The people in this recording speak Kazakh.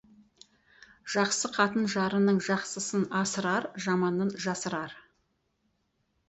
Жақсы қатын жарының жақсысын асырар, жаманын жасырар.